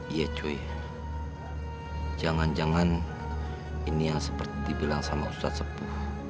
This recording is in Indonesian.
iya cuy jangan jangan ini yang seperti dibilang sama ustadz sepuh